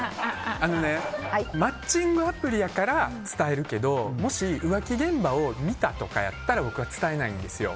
あのねマッチングアプリやから伝えるけどもし浮気現場を見たとかやったら僕は伝えないんですよ。